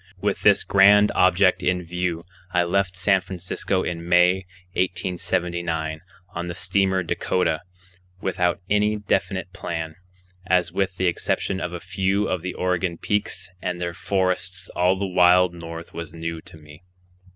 With this grand object in view I left San Francisco in May, 1879, on the steamer Dakota, without any definite plan, as with the exception of a few of the Oregon peaks and their forests all the wild north was new to me.